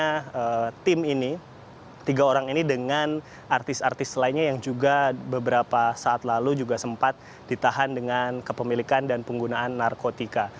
karena tim ini tiga orang ini dengan artis artis lainnya yang juga beberapa saat lalu juga sempat ditahan dengan kepemilikan dan penggunaan narkotika